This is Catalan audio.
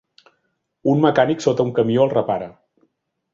Un mecànic sota un camió el repara.